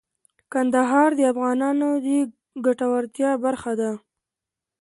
کندهار د افغانانو د ګټورتیا برخه ده.